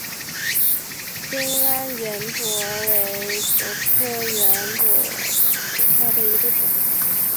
兴安圆柏为柏科圆柏属下的一个种。